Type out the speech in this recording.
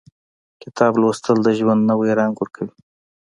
• کتاب لوستل، د ژوند نوی رنګ ورکوي.